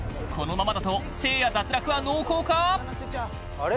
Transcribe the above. このままだとせいや脱落は濃厚か！？